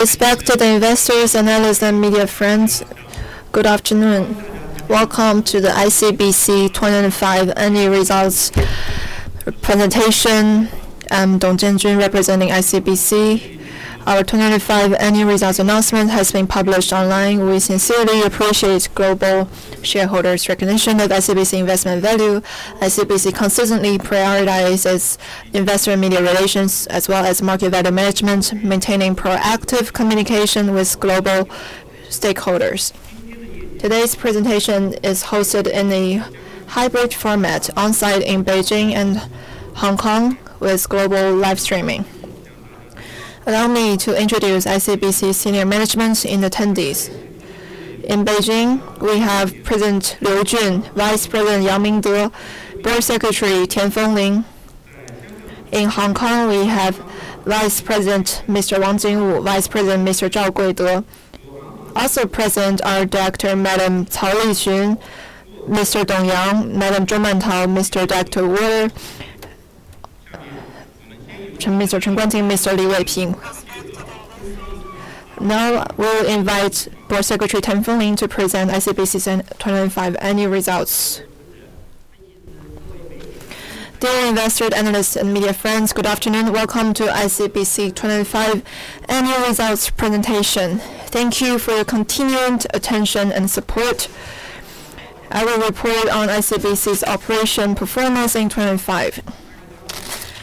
Respected investors, analysts, and media friends, good afternoon. Welcome to the ICBC 2025 annual results presentation. I'm Dong Jianjun, representing ICBC. Our 2025 annual results announcement has been published online. We sincerely appreciate global shareholders' recognition of ICBC's investment value. ICBC consistently prioritizes investor and media relations as well as market value management, maintaining proactive communication with global stakeholders. Today's presentation is hosted in a hybrid format on-site in Beijing and Hong Kong with global live streaming. Allow me to introduce ICBC senior management and attendees. In Beijing, we have President Liu Jun, Vice President Yao Mingde, Board Secretary Tian Fenglin. In Hong Kong, we have Vice President Mr. Wang Jingwu, Vice President Mr. Zhao Guidong. Also present are Director Madam Cao Liqun, Mr. Dong Yang, Madam Zhong Mantao, Mr. Doctor Wu, Mr. Chen Guanting, Mr. Li Weiping. Now, we'll invite Board Secretary Tian Fenglin to present ICBC's 2025 annual results. Dear investors, analysts, and media friends, good afternoon. Welcome to ICBC 2025 annual results presentation. Thank you for your continuing attention and support. I will report on ICBC's operation performance in 2025.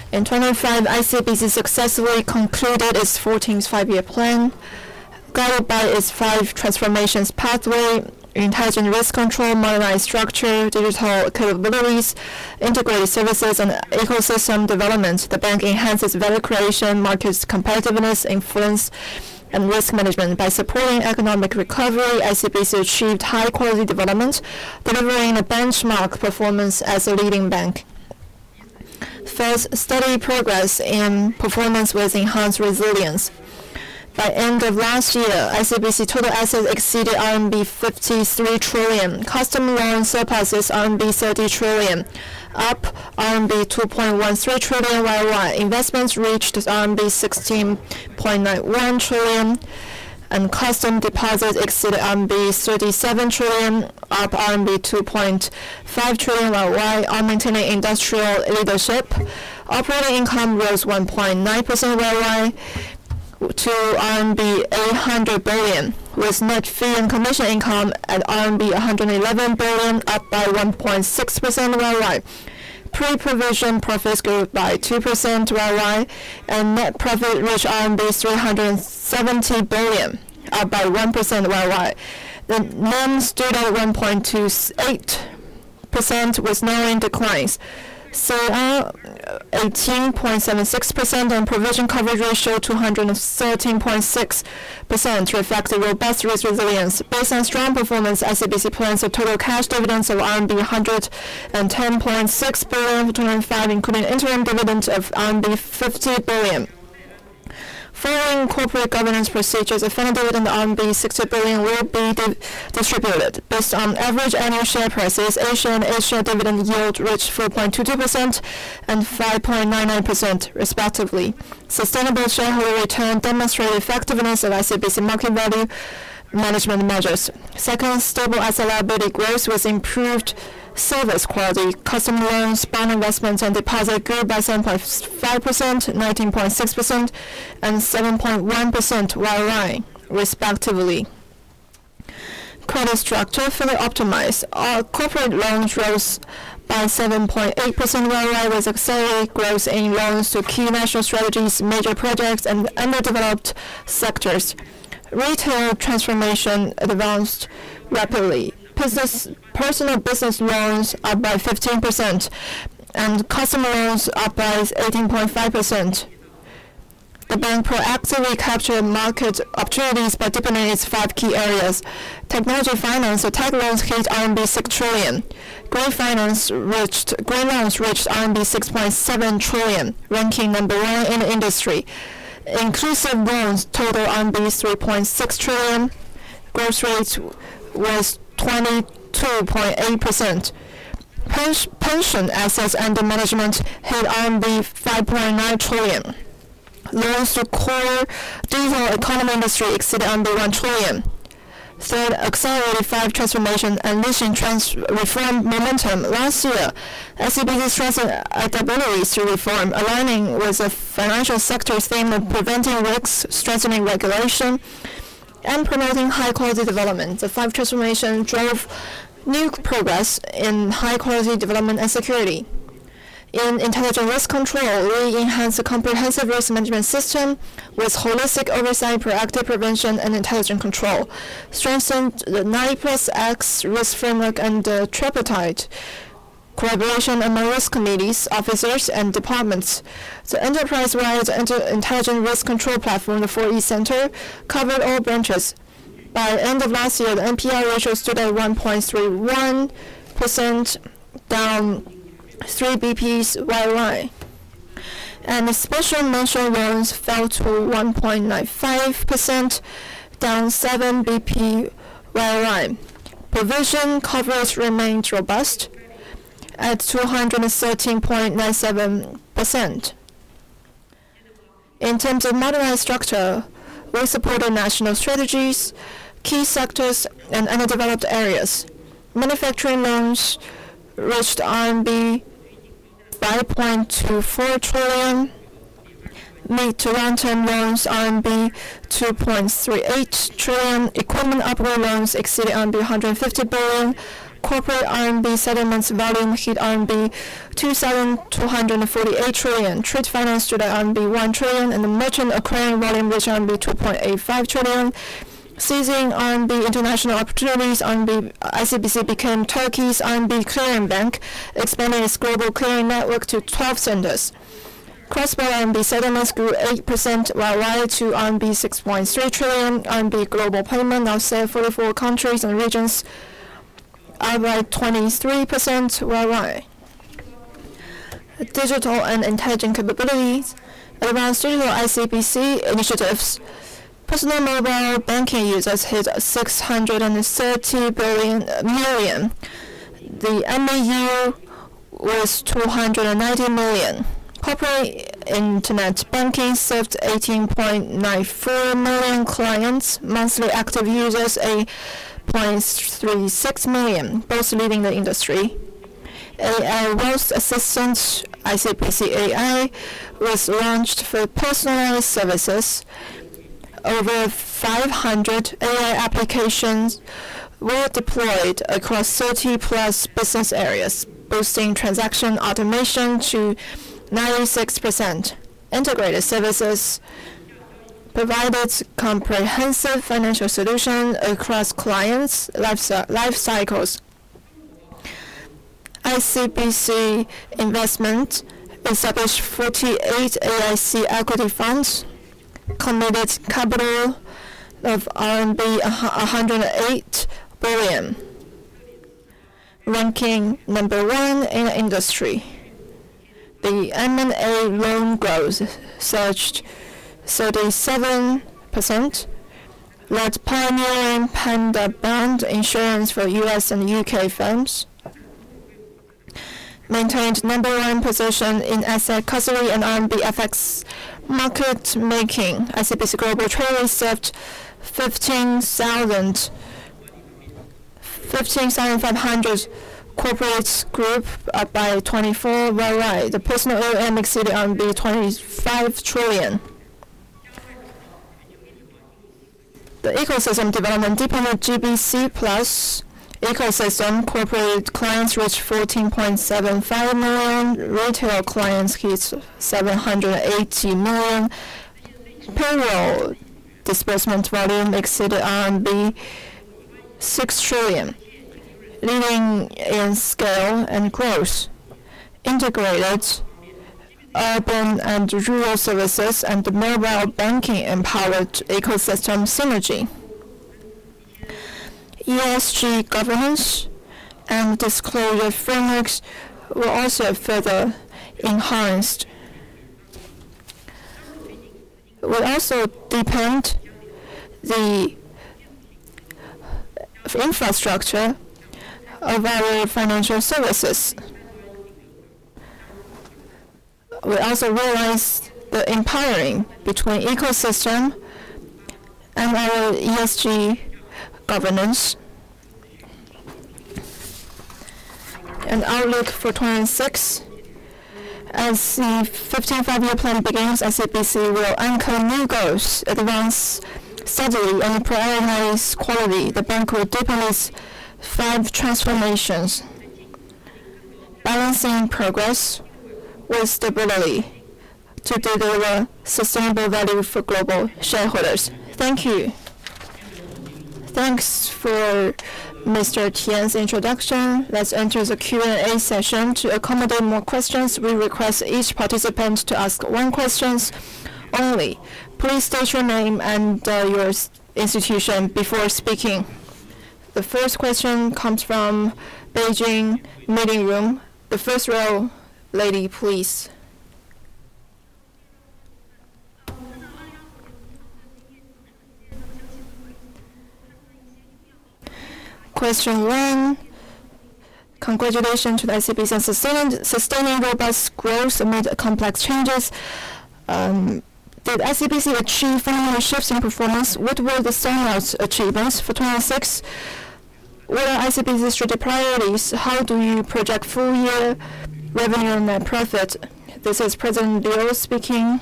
In 2025, ICBC successfully concluded its 14th Five-Year Plan, guided by its Five Transformations pathway, intelligent risk control, modernized structure, digital capabilities, integrated services, and ecosystem development. The bank enhanced its value creation, market competitiveness, influence, and risk management. By supporting economic recovery, ICBC achieved high-quality development, delivering a benchmark performance as a leading bank. First, steady progress in performance with enhanced resilience. By end of last year, ICBC total assets exceeded RMB 53 trillion. Customer loans surpasses RMB 30 trillion, up RMB 2.13 trillion YoY. Investments reached RMB 16.91 trillion, and customer deposits exceeded RMB 37 trillion, up RMB 2.5 trillion YoY on maintaining industrial leadership. Operating income rose 1.9% YoY to RMB 800 billion, with net fee and commission income at RMB 111 billion, up by 1.6% YoY. Pre-provision profits grew by 2% YoY, and net profit reached 370 billion, up by 1% YoY. The loans stood at 1.28% with narrowing declines. CIR at 18.76%, and provision coverage ratio 213.6% reflect the robust risk resilience. Based on strong performance, ICBC plans a total cash dividends of RMB 110.6 billion for 2025, including interim dividend of RMB 50 billion. Following corporate governance procedures, a final dividend of 60 billion will be distributed. Based on average annual share prices, A-share and H-share dividend yield reached 4.22% and 5.99% respectively. Sustainable shareholder return demonstrate effectiveness of ICBC market value management measures. Second, stable asset liability growth with improved service quality. Customer loans, bond investments, and deposits grew by 7.5%, 19.6%, and 7.1% YoY respectively. Credit structure fully optimized. Our corporate loans rose by 7.8% YoY with accelerated growth in loans to key national strategies, major projects, and underdeveloped sectors. Retail transformation advanced rapidly. Personal business loans up by 15% and customer loans up by 18.5%. The bank proactively captured market opportunities by deepening its five key areas. Technology finance, so tech loans hit RMB 6 trillion. Green loans reached RMB 6.7 trillion, ranking number one in the industry. Inclusive loans total RMB 3.6 trillion. Growth rate was 22.8%. Pension assets under management hit RMB 5.9 trillion. Loans to core digital economy industry exceeded RMB 1 trillion. Third, accelerated five transformations initiative reform momentum. Last year, ICBC strengthened our capabilities through reform, aligning with the financial sector's theme of preventing risks, strengthening regulation, and promoting high-quality development. The five transformations drove new progress in high-quality development and security. In intelligent risk control, we enhanced the comprehensive risk management system with holistic oversight, proactive prevention, and intelligent control. Strengthened the nine plus X risk framework and the tripartite collaboration among risk committees, officers, and departments. The enterprise-wide intelligent risk control platform, the ICBC e-Security, covered all branches. By end of last year, the NPL ratio stood at 1.31%, down three BPs YoY. The special mention loans fell to 1.95%, down seven BPs YoY. Provision coverage remains robust at 213.97%. In terms of modernized structure, we supported national strategies, key sectors, and underdeveloped areas. Manufacturing loans reached RMB 5.24 trillion. Medium- and long-term loans RMB 2.38 trillion. Equipment operation loans exceeded RMB 150 billion. Corporate RMB settlements volume hit RMB 2,248 trillion. Trade finance totaled RMB 1 trillion. The merchant acquiring volume reached RMB 2.85 trillion. Seizing RMB international opportunities, ICBC became Turkey's RMB clearing bank, expanding its global clearing network to 12 centers. Cross-border RMB settlements grew 8% YoY to RMB 6.3 trillion. RMB global payment now serve 44 countries and regions, up by 23% YoY. Digital and intelligent capabilities around digital ICBC initiatives. Personal mobile banking users hit 630 million. The MAU was 290 million. Corporate internet banking served 18.94 million clients. Monthly active users, 8.36 million, both leading the industry. AI wealth assistant, ICBC AI, was launched for personal services. Over 500 AI applications were deployed across 30+ business areas, boosting transaction automation to 96%. Integrated services provided comprehensive financial solution across clients' lifecycles. ICBC Investment established 48 AIC equity funds, committed capital of RMB a hundred and eight billion. Ranking number one in the industry. The M&A loan growth surged 37%. Led pioneering Panda bond insurance for U.S. and U.K. firms. Maintained number one position in asset custody and RMB FX market making. ICBC Global Treasury served 15,000, 15,500 corporates, grew by 24 YoY. The personal AUM exceeded CNY 25 trillion. The ecosystem development deepened GBC Plus ecosystem. Corporate clients reached 14.75 million. Retail clients hit 780 million. Payroll disbursement volume exceeded 6 trillion, leading in scale and growth. Integrated urban and rural services and mobile banking empowered ecosystem synergy. ESG governance and disclosure frameworks were also further enhanced. We also deepened the infrastructure of our financial services. We also realized the empowerment between ecosystem and our ESG governance. An outlook for 2026. As the 15th Five-Year Plan begins, ICBC will anchor new goals, advance steadily and prioritize quality. The bank will deepen its five transformations, balancing progress with stability to deliver sustainable value for global shareholders. Thank you. Thanks for Mr. Tian's introduction. Let's enter the Q&A session. To accommodate more questions, we request each participant to ask one question only. Please state your name and your institution before speaking. The first question comes from Beijing meeting room. The first row, lady, please. Question one. Congratulations to the ICBC on sustaining robust growth amid complex changes. Did ICBC achieve fundamental shifts in performance? What were the standout achievements for 2026? What are ICBC strategic priorities? How do you project full year revenue net profit? This is President Liu speaking.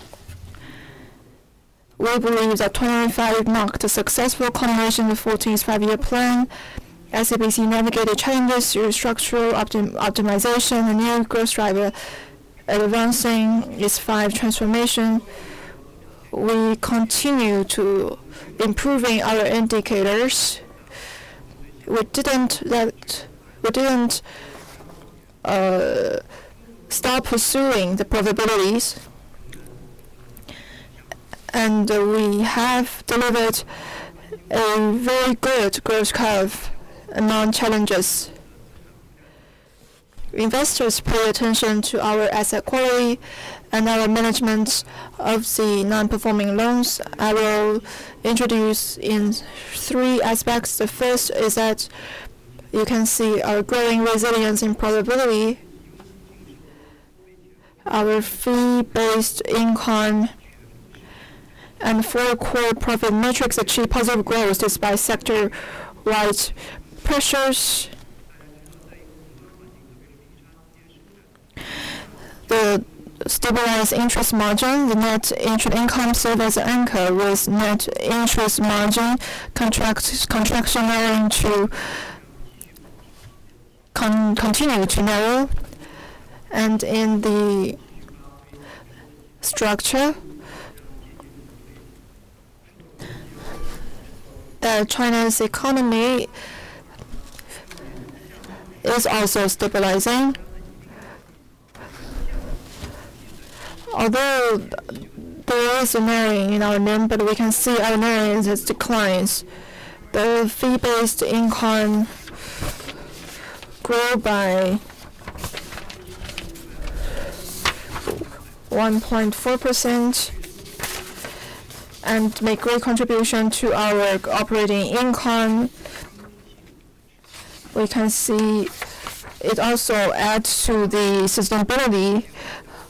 We believe that 2025 marked a successful culmination of 14th Five-Year Plan. ICBC navigated changes through structural optimization, renewed growth driver, advancing its five transformation. We continue to improving our indicators. We didn't stop pursuing the profitabilities. We have delivered a very good growth curve among challenges. Investors pay attention to our asset quality and our management of the non-performing loans. I will introduce in three aspects. The first is that you can see our growing resilience and profitability. Our fee-based income and four-quarter profit metrics achieved positive growth despite sector-wide pressures. The stabilized interest margin, the net interest income served as anchor with net interest margin contraction narrowing, continued to narrow. In the structure, China's economy is also stabilizing. Although there is a narrowing in our number, but we can see our margin has declines. The fee-based income grew by 1.4% and makes great contribution to our operating income. We can see it also adds to the sustainability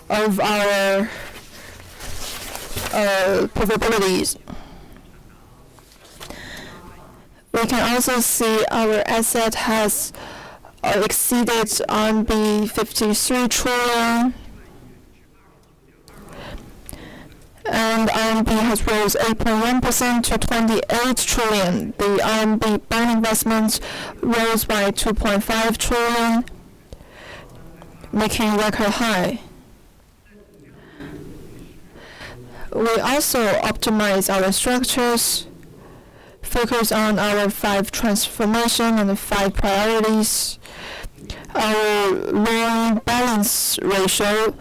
of our profitabilities. We can also see our asset has exceeded 53 trillion. RMB has rose 8.1% to 28 trillion. The RMB bond investments rose by 2.5 trillion, making record high. We also optimize our structures, focus on our five transformations and the five priorities. Our loan balance ratio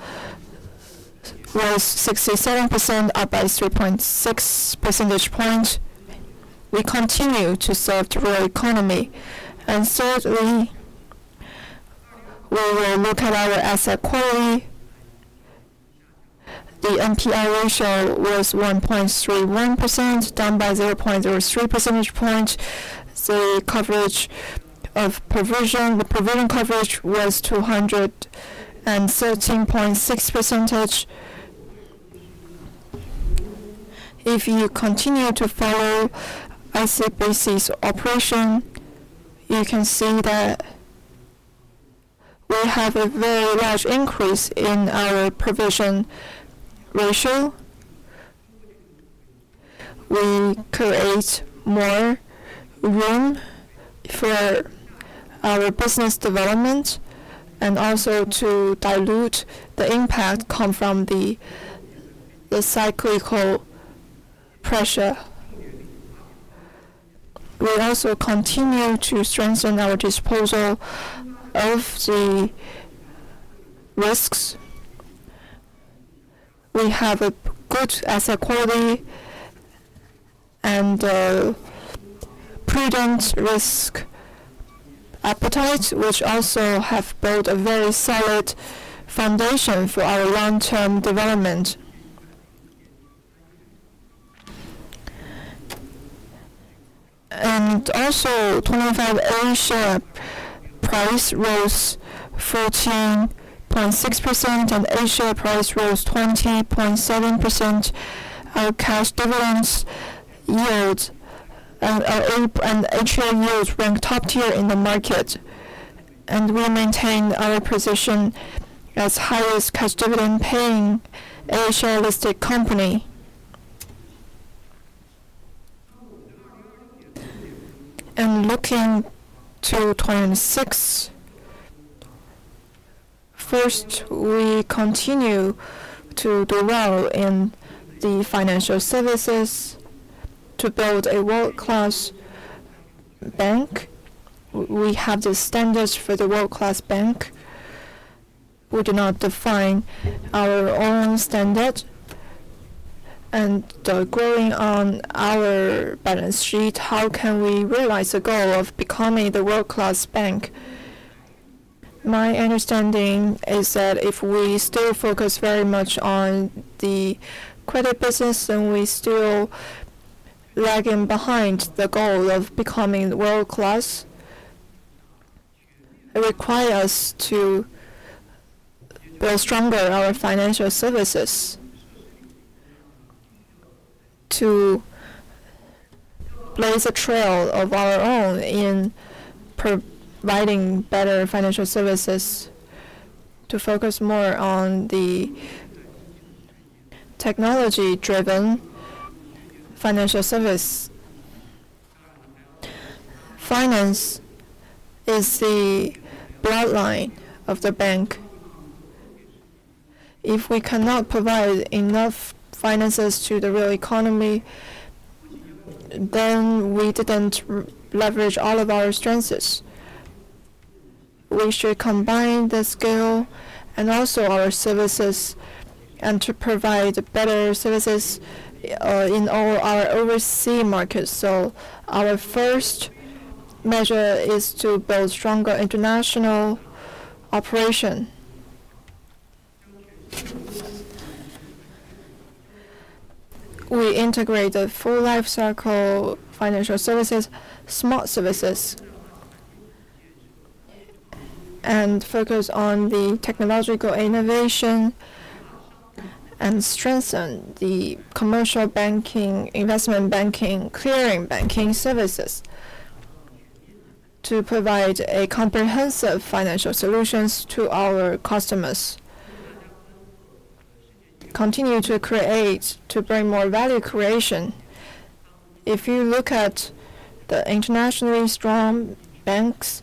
was 67%, up by 3.6 percentage points. We continue to serve real economy. Thirdly, we will look at our asset quality. The NPL ratio was 1.31%, down by 0.03 percentage point. The provision coverage was 213.6%. If you continue to follow ICBC's operation, you can see that we have a very large increase in our provision ratio. We create more room for our business development and also to dilute the impact coming from the cyclical pressure. We also continue to strengthen our disposal of the risks. We have a good asset quality and prudent risk appetite, which also have built a very solid foundation for our long-term development. 2025 A-share price rose 14.6%, and H-share price rose 20.7%. Our cash dividends yield and our A-share yields rank top tier in the market. We maintain our position as highest cash dividend paying A-share listed company. Looking to 2026, first, we continue to do well in the financial services to build a world-class bank. We have the standards for the world-class bank. We do not define our own standard. Growing on our balance sheet, how can we realize the goal of becoming the world-class bank? My understanding is that if we still focus very much on the credit business, then we still lagging behind the goal of becoming world-class. It require us to build stronger our financial services, to blaze a trail of our own in providing better financial services, to focus more on the technology-driven financial service. Finance is the bloodline of the bank. If we cannot provide enough finances to the real economy, then we didn't leverage all of our strengths. We should combine the scale and also our services, and to provide better services in all our overseas markets. Our first measure is to build stronger international operation. We integrate the full life cycle financial services, smart services, and focus on the technological innovation and strengthen the commercial banking, investment banking, clearing banking services to provide a comprehensive financial solutions to our customers. Continue to bring more value creation. If you look at the internationally strong banks,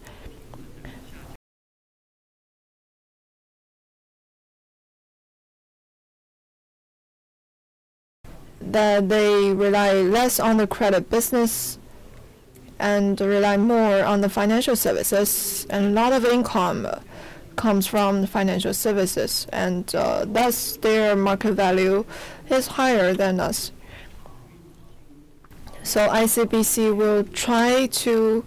that they rely less on the credit business and rely more on the financial services, and a lot of income comes from financial services, and, thus their market value is higher than us. So ICBC will try to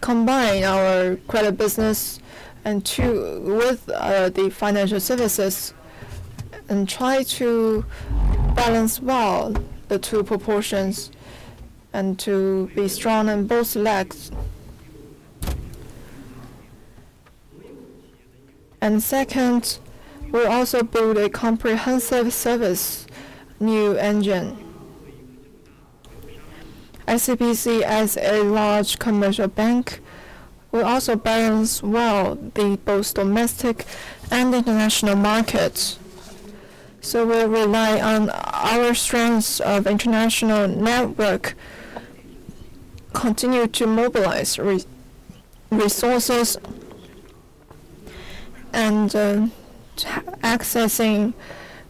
combine our credit business with the financial services and try to balance well the two proportions and to be strong on both legs. Second, we'll also build a comprehensive service new engine. ICBC, as a large commercial bank, will also balance well the both domestic and international markets. We'll rely on our strengths of international network, continue to mobilize resources and accessing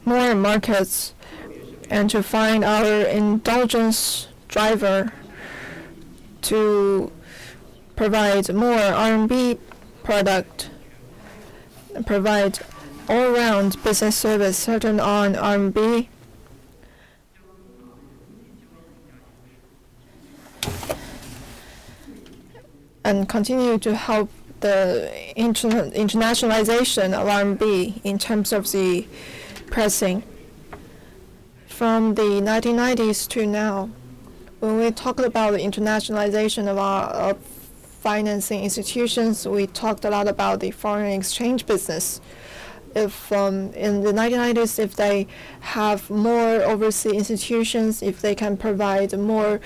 more markets and to find our indigenous driver to provide more RMB product, provide all-around business service centered on RMB. Continue to help the internationalization of RMB in terms of progressing. From the 1990s to now, when we talk about the internationalization of our financial institutions, we talked a lot about the foreign exchange business. If in the 1990s, if they have more overseas institutions, if they can provide more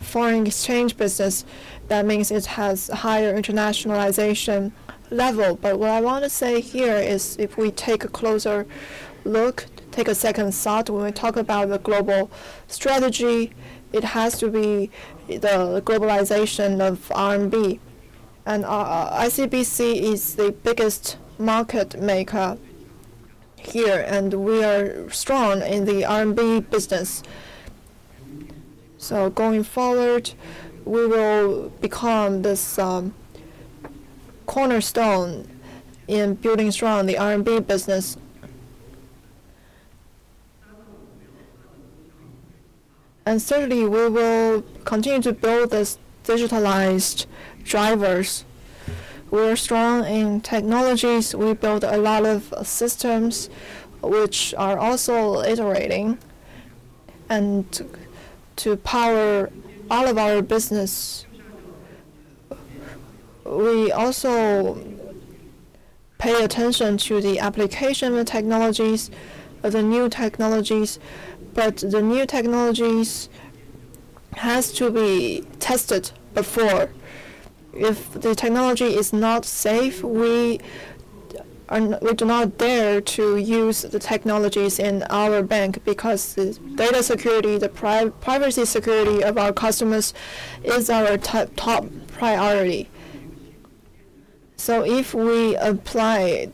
foreign exchange business, that means it has higher internationalization level. What I wanna say here is, if we take a closer look, take a second thought when we talk about the global strategy, it has to be the globalization of RMB. Our ICBC is the biggest market maker here, and we are strong in the RMB business. Going forward, we will become this cornerstone in building strong the RMB business. Certainly, we will continue to build these digitalized drivers. We're strong in technologies. We build a lot of systems which are also iterating and to power all of our business. We also pay attention to the application of technologies, the new technologies, but the new technologies has to be tested before. If the technology is not safe, we do not dare to use the technologies in our bank because the data security, the privacy security of our customers is our top priority. If we apply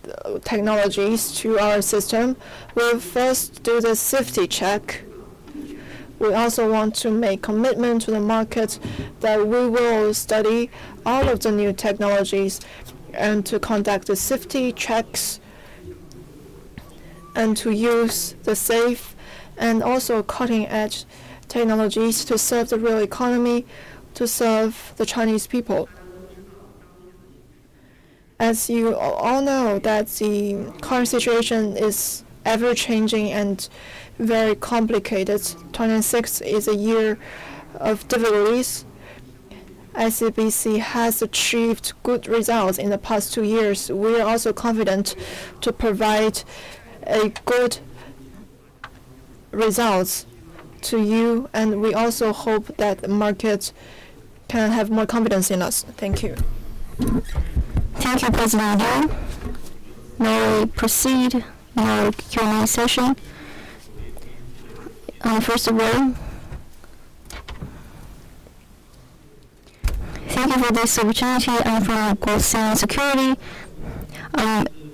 technologies to our system, we'll first do the safety check. We also want to make commitment to the market that we will study all of the new technologies and to conduct the safety checks and to use the safe and also cutting-edge technologies to serve the real economy, to serve the Chinese people. As you all know that the current situation is ever-changing and very complicated. 2026 is a year of deliveries. ICBC has achieved good results in the past two years. We are also confident to provide a good results to you, and we also hope that the markets can have more confidence in us. Thank you. Thank you, President Wang. May we proceed with our Q&A session. First of all, thank you for this opportunity. I'm from Goldman Sachs.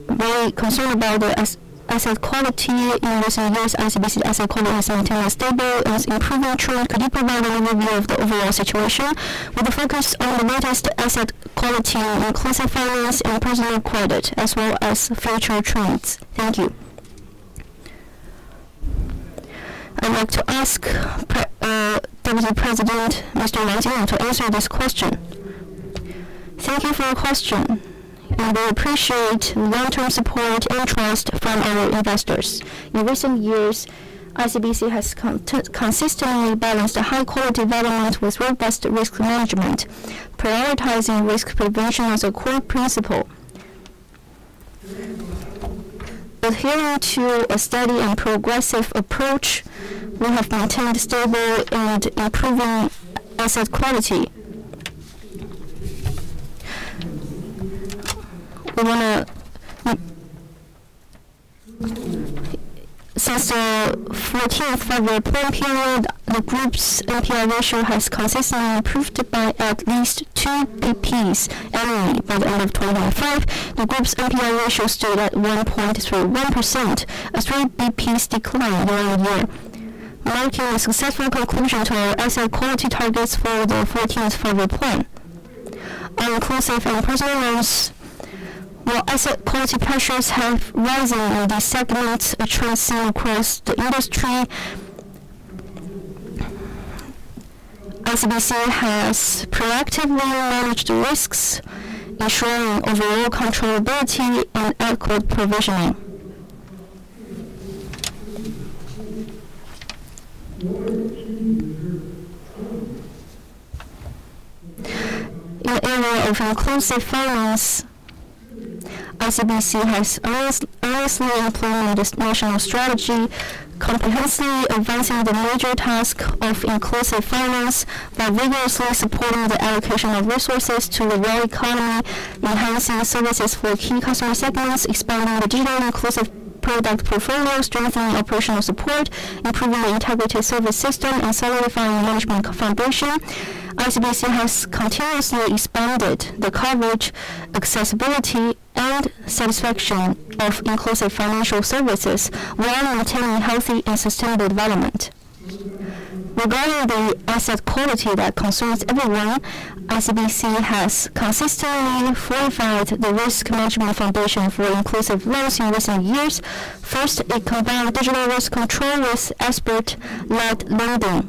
We're concerned about the asset quality. In recent years, ICBC's asset quality has maintained a stable and improving trend. Could you provide an overview of the overall situation with the focus on the latest asset quality classifications and personal credit, as well as future trends? Thank you. I'd like to ask Deputy President Mr. Lai Ching to answer this question. Thank you for your question, and we appreciate long-term support and trust from our investors. In recent years, ICBC has consistently balanced a high-quality development with robust risk management, prioritizing risk prevention as a core principle. Adhering to a steady and progressive approach, we have maintained stable and improving asset quality. Since the 14th Five-Year Plan period, the group's NPL ratio has consistently improved by at least two BPs annually. By the end of 2025, the group's NPL ratio stood at 1.31%, a 30 BPs decline year-on-year, marking a successful conclusion to our asset quality targets for the 14th Five-Year Plan. On inclusive personal loans, while asset quality pressures have risen in the segment, a trend seen across the industry, ICBC has proactively managed risks, ensuring overall controllability and adequate provisioning. In the area of inclusive finance, ICBC has earnestly implemented this national strategy, comprehensively advancing the major task of inclusive finance by vigorously supporting the allocation of resources to the real economy, enhancing services for key customer segments, expanding the digital inclusive product portfolio, strengthening operational support, improving the integrated service system, and solidifying management foundation. ICBC has continuously expanded the coverage, accessibility, and satisfaction of inclusive financial services while maintaining healthy and sustainable development. Regarding the asset quality that concerns everyone, ICBC has consistently fortified the risk management foundation for inclusive loans in recent years. First, it combined digital risk control with expert lead lending,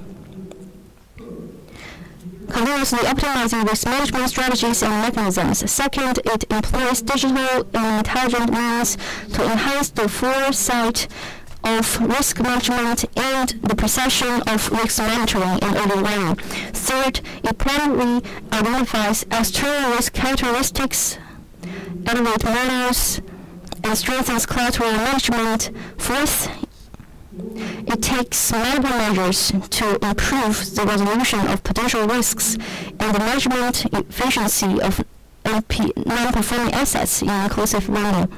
continuously optimizing risk management strategies and mechanisms. Second, it employs digital and intelligent means to enhance the foresight of risk management and the precision of risk monitoring and early warning. Third, it proactively identifies external risk characteristics and methodologies and strengthens collateral management. Fourth, it takes multiple measures to improve the resolution of potential risks and the management efficiency of NPL, non-performing assets in inclusive model.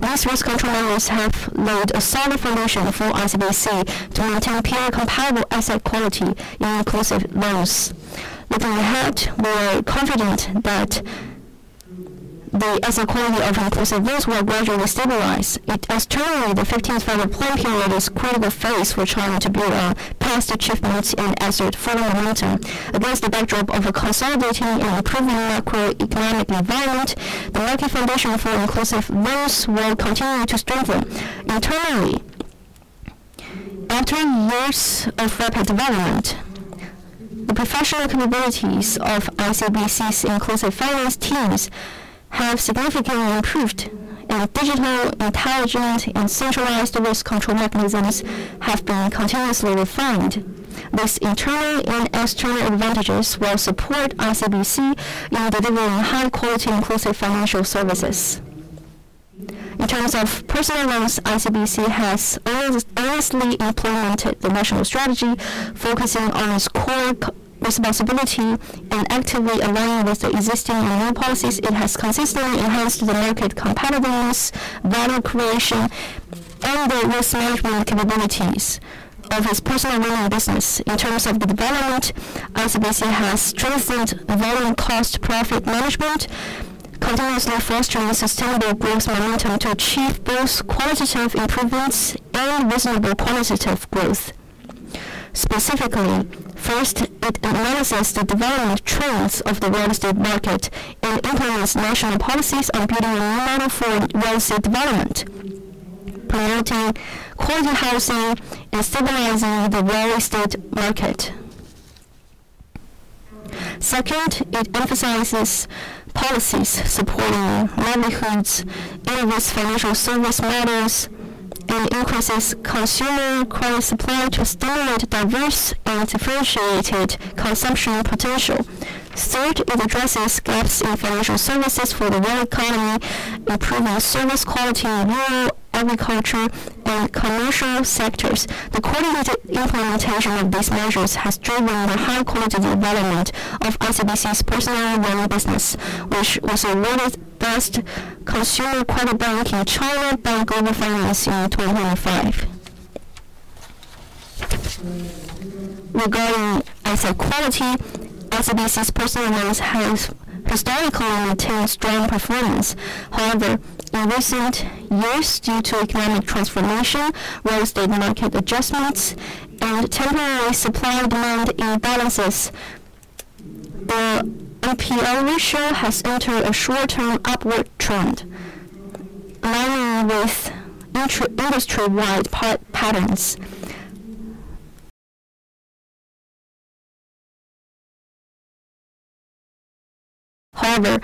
These risk control measures have laid a solid foundation for ICBC to maintain peer comparable asset quality in inclusive loans. Looking ahead, we're confident that the asset quality of inclusive loans will gradually stabilize. Externally, the 14th Five-Year Plan period is a critical phase for China to build a past achievement and assert fundamental momentum. Against the backdrop of a consolidating and improving macroeconomic environment, the market foundation for inclusive loans will continue to strengthen. Internally, after years of rapid development, the professional capabilities of ICBC's inclusive finance teams have significantly improved, and digital, intelligent, and centralized risk control mechanisms have been continuously refined. These internal and external advantages will support ICBC in delivering high quality inclusive financial services. In terms of personal loans, ICBC has earnestly implemented the national strategy, focusing on its core responsibility and actively aligning with the existing and new policies. It has consistently enhanced the market competitiveness, value creation, and the risk management capabilities of its personal loan business. In terms of the development, ICBC has strengthened volume cost profit management, continuously fostering sustainable growth momentum to achieve both qualitative improvements and reasonable quantitative growth. Specifically, first, it analyzes the development trends of the real estate market and implements national policies on building a normal real estate development, prioritizing quality housing and stabilizing the real estate market. Second, it emphasizes policies supporting livelihoods and rural financial service models, and increases consumer credit supply to stimulate diverse and differentiated consumption potential. Third, it addresses gaps in financial services for the real economy, improving service quality in rural, agricultural, and commercial sectors. The coordinated implementation of these measures has driven the high-quality development of ICBC's personal loan business, which was awarded Best Consumer Credit Bank in China by Global Finance in 2025. Regarding asset quality, ICBC's personal loans has historically maintained strong performance. However, in recent years, due to economic transformation, real estate market adjustments, and temporary supply demand imbalances, our NPL ratio has entered a short-term upward trend, aligning with industry-wide patterns. However,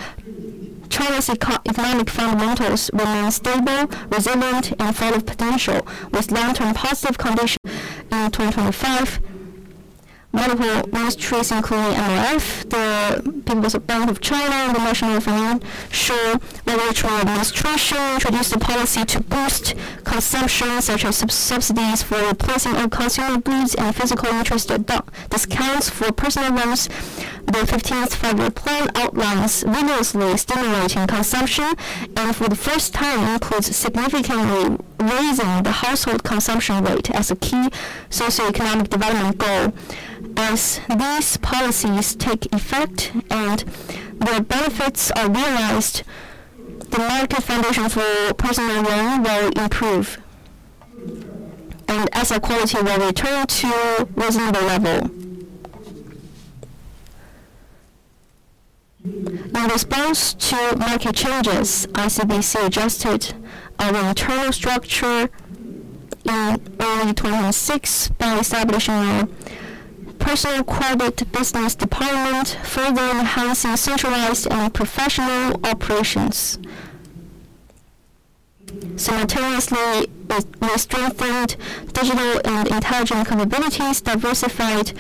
China's economic fundamentals remain stable, resilient, and full of potential, with long-term positive condition. In 2025, multiple regulatory authorities, including NFRA, the People's Bank of China, the Financial Regulator, the Ministry of Finance introduced a policy to boost consumption, such as subsidies for purchasing of consumer goods and preferential interest discounts for personal loans. The 15th Five-Year Plan outlines vigorously stimulating consumption, and for the first time includes significantly raising the household consumption rate as a key socioeconomic development goal. As these policies take effect and their benefits are realized, the market foundation for personal loan will improve, and asset quality will return to reasonable level. In response to market changes, ICBC adjusted our internal structure in early 2026 by establishing a personal credit business department, further enhancing centralized and professional operations. Simultaneously, we strengthened digital and intelligent capabilities, diversified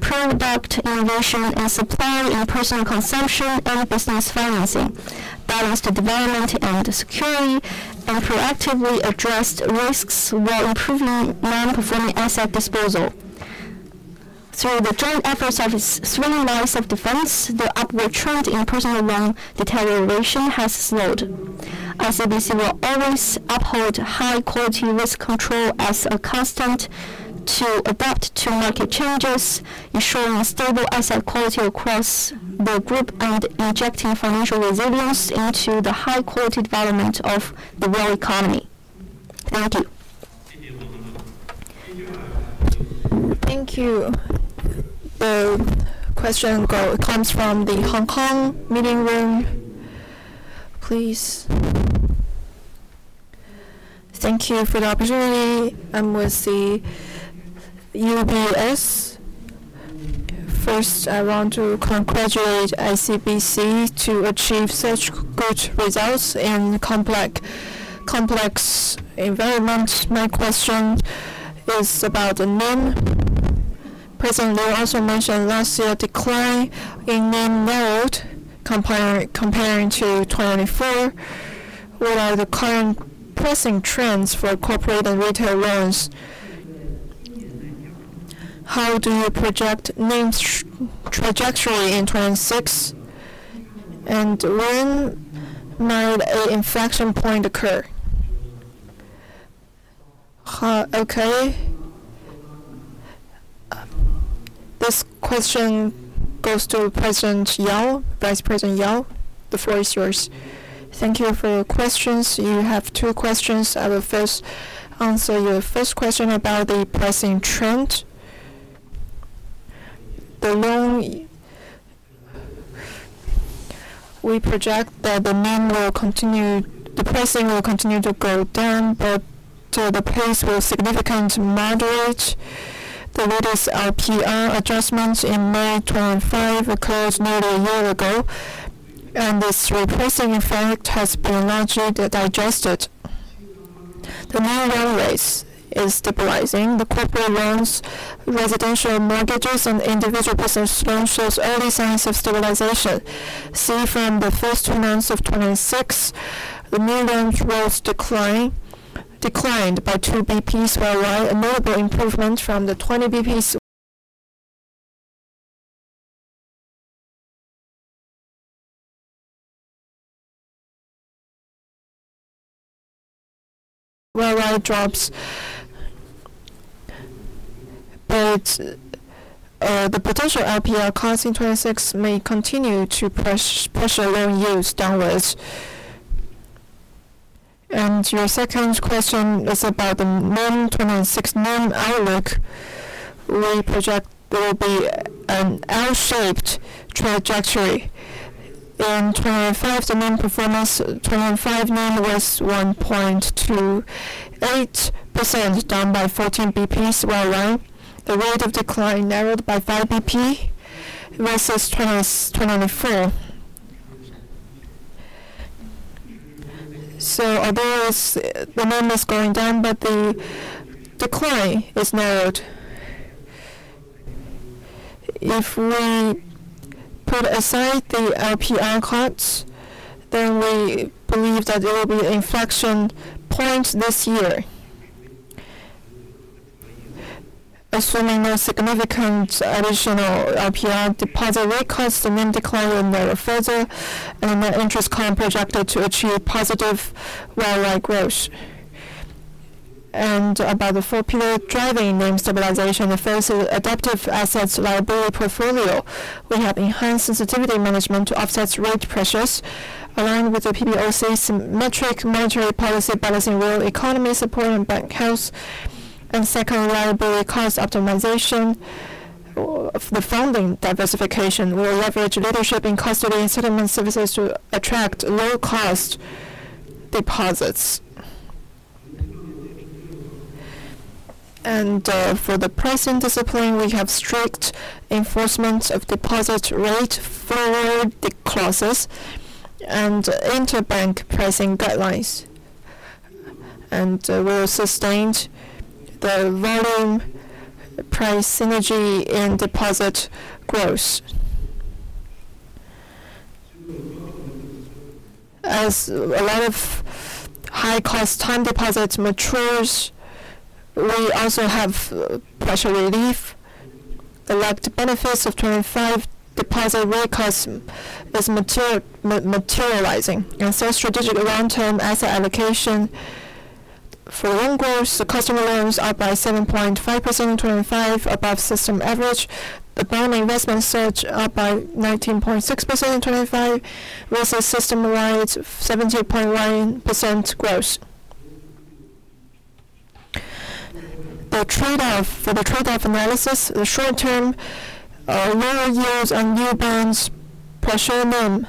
product innovation, and supply in personal consumption and business financing, balanced development and security, and proactively addressed risks while improving non-performing asset disposal. Through the joint efforts of its three lines of defense, the upward trend in personal loan deterioration has slowed. ICBC will always uphold high-quality risk control as a constant to adapt to market changes, ensuring stable asset quality across the group and injecting financial resilience into the high-quality development of the world economy. Thank you. Thank you. Thank you. The question comes from the Hong Kong meeting room. Please. Thank you for the opportunity. I'm with UBS. First, I want to congratulate ICBC on achieving such good results in a complex environment. My question is about the NIM. President Liu also mentioned last year's decline in NIM, low comparing to 2024. What are the current pricing trends for corporate and retail loans? How do you project NIM trajectory in 2026? And when might an inflection point occur? Okay. This question goes to President Yao. Vice President Yao, the floor is yours. Thank you for your questions. You have two questions. I will first answer your first question about the pricing trend. We project that the NIM will continue. The pricing will continue to go down, but the pace will significantly moderate. The latest LPR adjustments in May 2025 occurred nearly a year ago, and this repricing effect has been largely digested. The NIM downward is stabilizing. The corporate loans, residential mortgages, and individual business loans shows early signs of stabilization. See, from the first two months of 2026, the NIM, loans growth declined by two BPs year-over-year, a notable improvement from the 20 BPs year-over-year drops. The potential LPR cuts in 2026 may continue to pressure loan yields downward. Your second question is about the 2026 NIM outlook. We project there will be an L-shaped trajectory. In 2025, the NIM performance, 2025 NIM was 1.28%, down by 14 basis points year-over-year. The rate of decline narrowed by five basis points versus 2024. Although it's the NIM is going down, but the decline is narrowed. If we put aside the LPR cuts, we believe that there will be an inflection point this year. Assuming no significant additional LPR deposit rate cuts, the NIM decline will narrow further, and the interest cover projected to achieve positive year-over-year growth. About the four pillar driving NIM stabilization, the first is adaptive assets liability portfolio. We have enhanced sensitivity management to offset rate pressures, along with the PBOC's symmetric monetary policy balancing real economy support and bank health, and second, liability cost optimization. The funding diversification will leverage leadership in custody and settlement services to attract low-cost deposits. For the pricing discipline, we have strict enforcement of deposit rate forward guidance and interbank pricing guidelines. We're sustaining the volume price synergy and deposit growth. As a lot of high-cost time deposits mature, we also have pressure relief. The lagged benefits of 25 deposit rate cuts is materializing. Strategic long-term asset allocation for loan growth, the customer loans grew by 7.5% in 2025 above system average. The bond investment surged up by 19.6% in 2025 versus system wide 17.9% growth. The trade-off. For the trade-off analysis, the short term, lower yields on new bonds pressure NIM.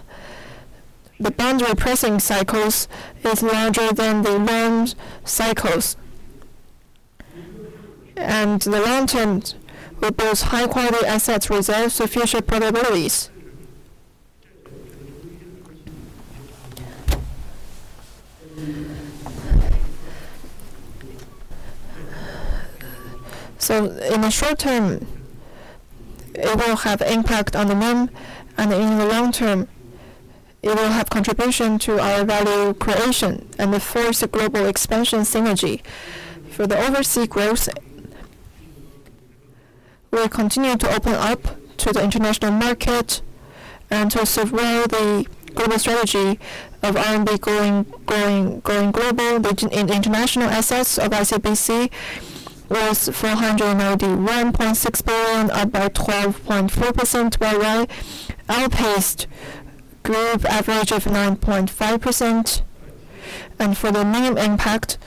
The funding pricing cycles is larger than the bond cycles. The long term with those high-quality assets reserves sufficient profitability. In the short term, it will have impact on the NIM, and in the long term, it will have contribution to our value creation and enforce global expansion synergy. For the overseas growth, we're continuing to open up to the international market and to serve well the global strategy of R&D growing global. The international assets of ICBC was 491.6 billion, up by 12.4% YoY, outpaced group average of 9.5%. For the NIM impact,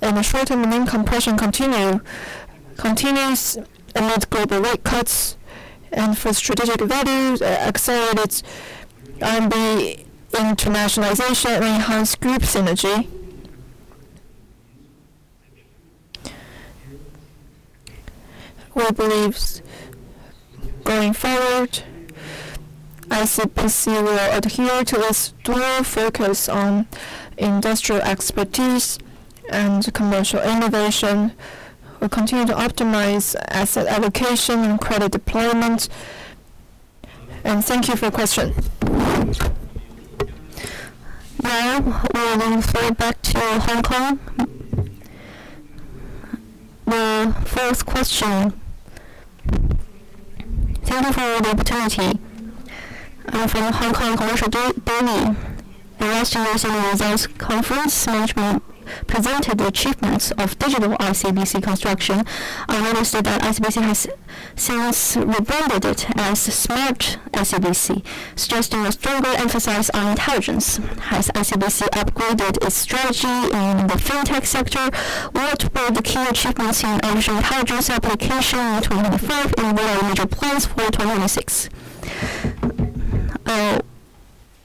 in the short term, NIM compression continues amidst global rate cuts. For strategic value, accelerates R&D internationalization, enhanced group synergy. We believe going forward, ICBC will adhere to its dual focus on industrial expertise and commercial innovation. We'll continue to optimize asset allocation and credit deployment. Thank you for your question. Now we will throw it back to Hong Kong. The first question. Thank you for the opportunity. I'm from Hong Kong Commercial Daily. Last year's results conference management presented the achievements of digital ICBC construction. I noticed that ICBC has since rebranded it as Smart ICBC, suggesting a stronger emphasis on intelligence. Has ICBC upgraded its strategy in the fintech sector? What were the key achievements in artificial intelligence application in 2025, and what are your major plans for 2026? I'll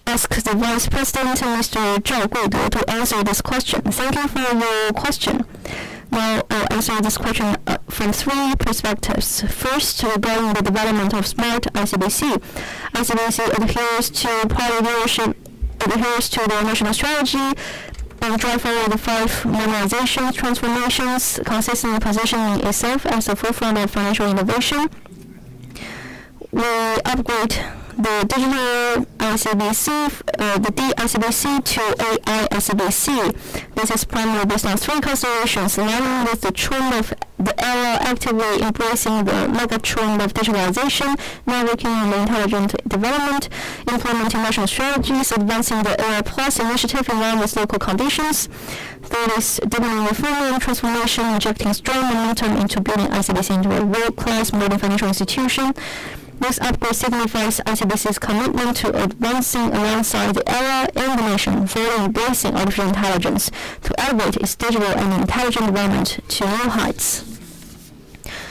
ask the Vice President, Mr. Zhao Guidong, to answer this question. Thank you for your question. Well, I'll answer this question from three perspectives. First, regarding the development of Smart ICBC. ICBC adheres to Party leadership, adheres to the national strategy and drive forward the five transformations, consistently positioning itself at the forefront of financial innovation. We'll upgrade the digital ICBC, the D-ICBC to AI ICBC. This is primarily based on three considerations. One is the trend of the era actively embracing the megatrend of digitalization, networking, and intelligent development, implement national strategies, advancing the AI Plus initiative in line with local conditions. Third is doubling affirming transformation, injecting strong momentum into building ICBC into a world-class modern financial institution. This upgrade signifies ICBC's commitment to advancing alongside the era and the nation, fully embracing artificial intelligence to elevate its digital and intelligent development to new heights.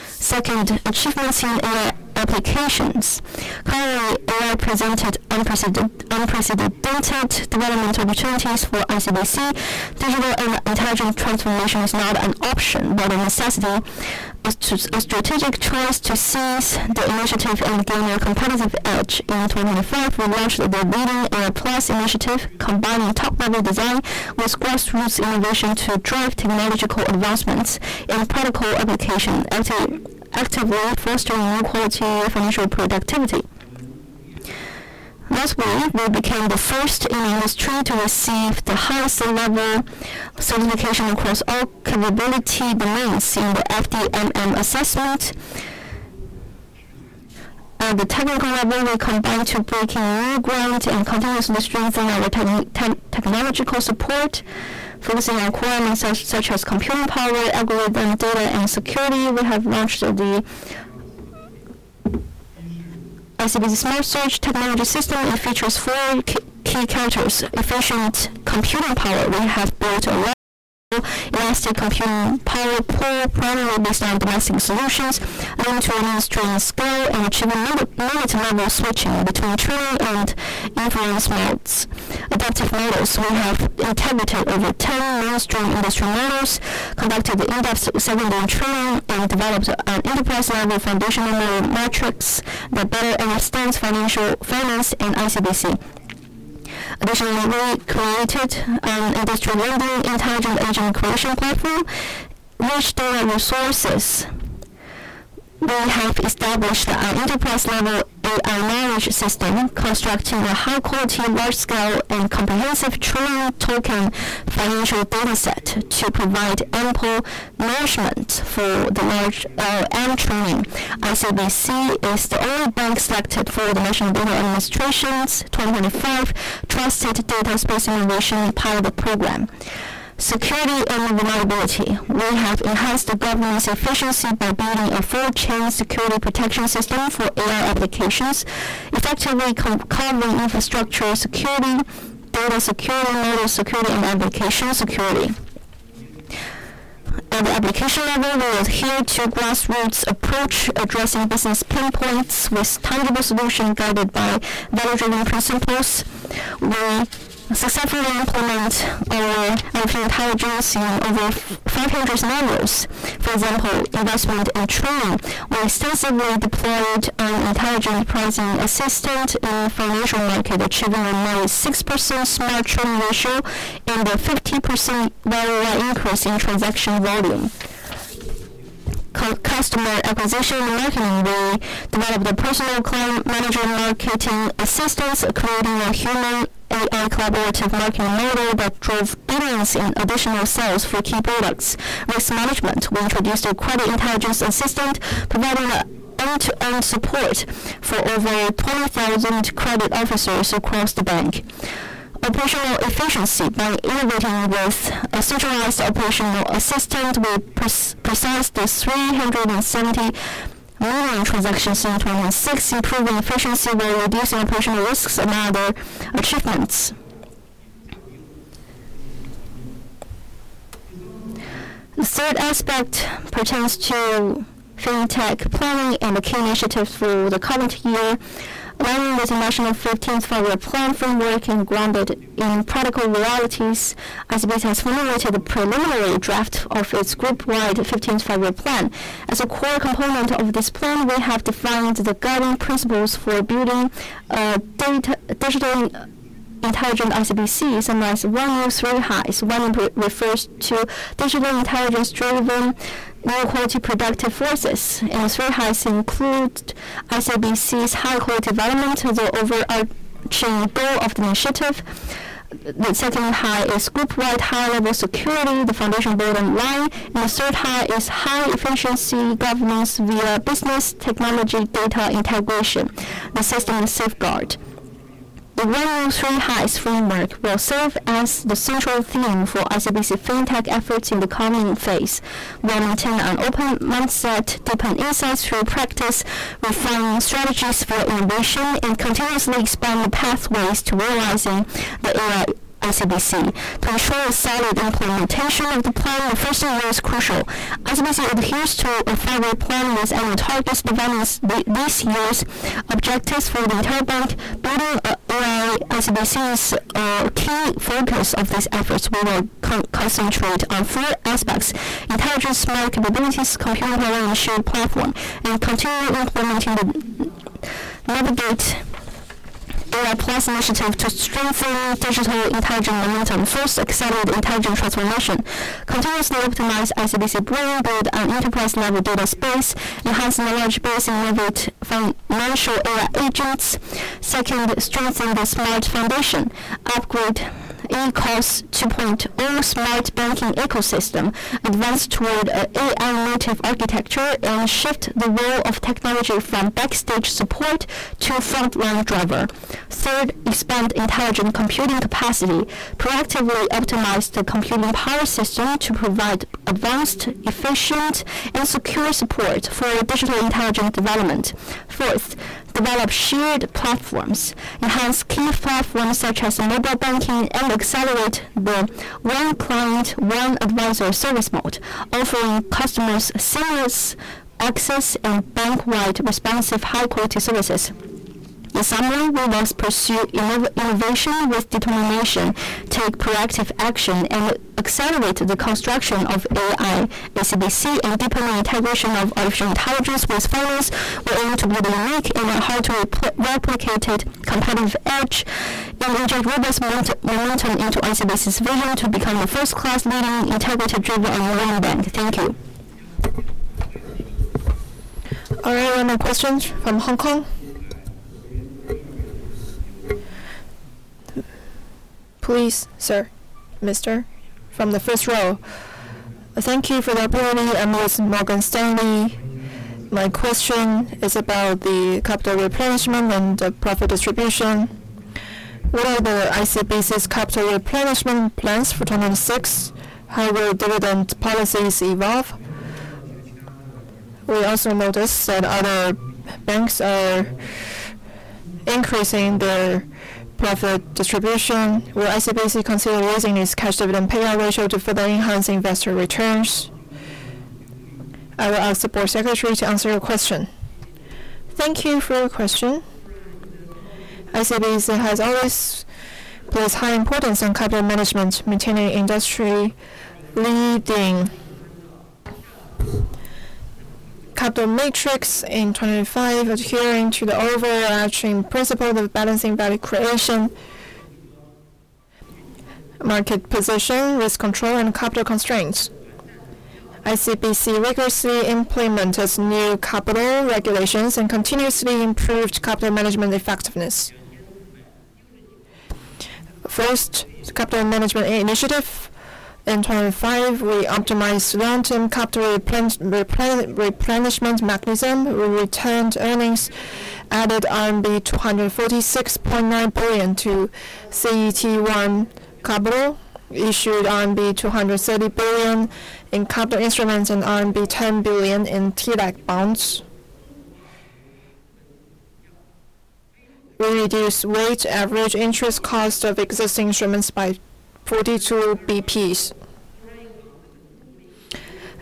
Second, achievements in AI applications. Currently, AI presented unprecedented data development opportunities for ICBC. Digital and intelligent transformation is not an option, but a necessity. It's a strategic choice to seize the initiative and gain a competitive edge. In 2025, we launched the leading AI Plus initiative, combining top-level design with grassroots innovation to drive technological advancements in practical application, actively fostering high-quality financial productivity. Last year, we became the first in the industry to receive the highest level certification across all capability domains in the DCMM assessment. At the technical level, we are committed to breaking new ground and continuously strengthening our technological support. Focusing on core elements such as computing power, algorithm, data, and security, we have launched the ICBC Smart Search technology system. It features four key characteristics. Efficient computing power. We have built a large-scale elastic computing power pool, primarily based on domestic solutions, aiming to enhance training scale and achieve multi-level switching between training and inference modes. Adaptive models. We have integrated over 10 mainstream industry models, conducted in-depth seven-day training, and developed an enterprise-level foundational model matrix that better understands finance in ICBC. Additionally, we created an industry-leading intelligent agent collection platform. Rich data resources. We have established our enterprise-level AI management system, constructing a high-quality, large-scale, and comprehensive training token financial data set to provide ample material for the large AI training. ICBC is the only bank selected for the National Data Administration's 2025 Trusted Data Space Innovation Development Pilot. Security and reliability. We have enhanced the governance efficiency by building a full chain security protection system for AI applications, effectively combining infrastructure security, data security, model security, and application security. At the application level, we adhere to a grassroots approach, addressing business pain points with tangible solutions guided by value-driven principles. We successfully implement AI and intelligence in over 500 scenarios. For example, investment and trading. We extensively deployed an intelligent pricing assistant in the financial market, achieving a -6% smart trading ratio and a 50% value increase in transaction volume. Customer acquisition and marketing. We developed a personal client manager marketing assistant, creating a human-AI collaborative marketing model that drove billions in additional sales for key products. Risk management. We introduced a credit intelligence assistant, providing end-to-end support for over 20,000 credit officers across the bank. Operational efficiency. By innovating with a centralized operational assistant, we processed 370 million transactions in 2026, improving efficiency while reducing operational risks among other achievements. The third aspect pertains to fintech planning and the key initiatives for the current year. Aligning with the national 14th Five-Year Plan framework and grounded in practical realities, ICBC has formulated a preliminary draft of its group-wide 15th Five-Year Plan. As a core component of this plan, we have defined the guiding principles for building a data-digital intelligent ICBC, summarized "One One Three Highs". One refers to digital intelligence-driven high-quality productive forces. Three highs include ICBC's high-quality development as the overarching goal of the initiative. The second high is group-wide high-level security, the foundation building one. The third high is high-efficiency governance via business technology data integration, assisting safeguard. The One One Three Highs framework will serve as the central theme for ICBC fintech efforts in the coming phase. We maintain an open mindset, deepen insights through practice, refine strategies for innovation, and continuously expand the pathways to realizing the AI ICBC. To ensure a solid implementation of the plan, the first year is crucial. ICBC adheres to a Five-Year Plan and will target governance, this year's objectives for the entire bank. Building an AI ICBC is our key focus of these efforts. We will concentrate on four aspects: intelligent smart capabilities, computational shared platform, continually implementing the Navigate AI Plus initiative to strengthen digital intelligent momentum. First, accelerate intelligent transformation. Continuously optimize ICBC Brain, build an enterprise-level data space, enhance knowledge base-enabled financial AI agents. Second, strengthen the smart foundation. Upgrade eLife 2.0 smart banking ecosystem, advance toward an AI-native architecture, and shift the role of technology from backstage support to frontline driver. Third, expand intelligent computing capacity. Proactively optimize the computing power system to provide advanced, efficient, and secure support for digital intelligent development. Fourth, develop shared platforms. Enhance key platforms such as mobile banking and accelerate the one client, one advisor service model, offering customers seamless access and bank-wide responsive high-quality services. In summary, we must pursue innovation with determination, take proactive action, and accelerate the construction of AI ICBC and deepen the integration of AI intelligence with finance in order to build a unique and a hard-to-replicate competitive edge and inject robust momentum into ICBC's vision to become a first-class leading intelligence-driven AI-enabled bank. Thank you. Are there any more questions from Hong Kong? Please, sir. Mister from the first row. Thank you for the opportunity. I'm with Morgan Stanley. My question is about the capital replenishment and the profit distribution. What are ICBC's capital replenishment plans for 2026? How will dividend policies evolve? We also noticed that other banks are increasing their profit distribution. Will ICBC consider raising its cash dividend payout ratio to further enhance investor returns? I will ask the board secretary to answer your question. Thank you for your question. ICBC has always placed high importance on capital management, maintaining industry-leading capital matrix. In 2025, adhering to the overarching principle of balancing value creation, market position, risk control and capital constraints, ICBC rigorously implemented new capital regulations and continuously improved capital management effectiveness. First, capital management initiative. In 2025, we optimized long-term capital replenishment mechanism. We returned earnings, added RMB 246.9 billion to CET1 capital, issued RMB 230 billion in capital instruments and RMB 10 billion in TLAC bonds. We reduced weighted average interest cost of existing instruments by 42 BPs.